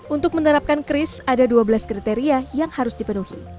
untuk menerapkan kris ada dua belas kriteria yang harus dipenuhi